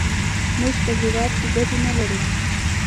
موږ په هېواد کې ګټې نه لرو.